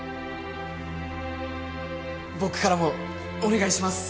僕からもお願いします。